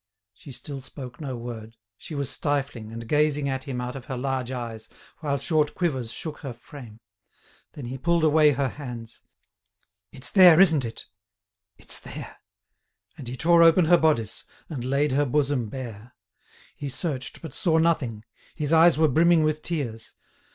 She still spoke no word; she was stifling, and gazing at him out of her large eyes, while short quivers shook her frame. Then he pulled away her hands. "It's there, isn't it? it's there." And he tore open her bodice, and laid her bosom bare. He searched, but saw nothing. His eyes were brimming with tears.